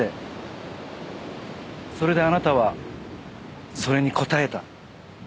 それであなたはそれに応えた。